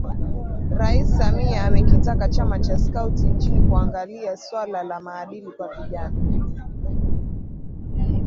Rais Samia amekitaka Chama cha Skauti nchini kuangalia suala la maadili kwa vijana